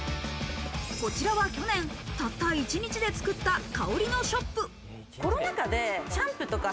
こちらは去年、たった１日で作った香りのＳＨＯＰ。